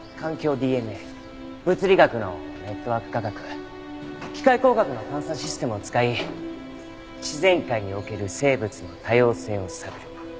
ＤＮＡ物理学のネットワーク科学機械工学の探査システムを使い自然界における生物の多様性を探る。